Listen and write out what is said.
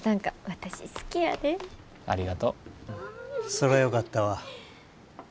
そらよかったわ。